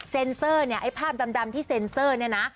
เซอร์เนี่ยไอ้ภาพดำที่เซ็นเซอร์เนี่ยนะ